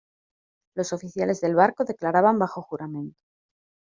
Los oficiales del barco declaraban bajo juramento.